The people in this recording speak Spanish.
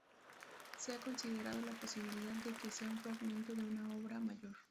Se ha considerado la posibilidad de que sea un fragmento de una obra mayor.